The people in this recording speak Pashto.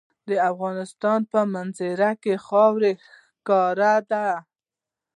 د افغانستان په منظره کې خاوره ښکاره ده.